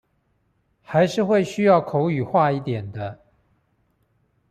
還是會需要口語化一點的